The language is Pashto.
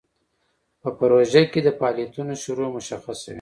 په پروژه کې د فعالیتونو شروع مشخصه وي.